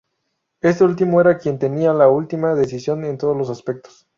Este último era quien tenía la última decisión en todos los aspectos.